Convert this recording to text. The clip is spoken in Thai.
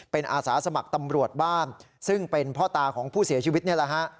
เป็นอาสาสมัครตำรวจบ้านซึ่งเป็นพ่อตาของผู้เสียชีวิตนี่แหละฮะ